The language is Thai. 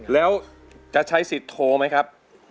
แล้วจะใช้สิทธิ์โทรไหมครับ